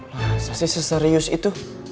masa sih seserius itu